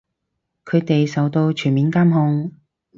佢哋受到全面監控